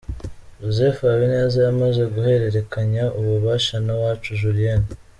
Joseph Habineza yamaze guhererekanya ububasha na Uwacu Julienne.